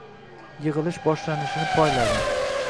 Yig‘ilish boshlanishini poyladi.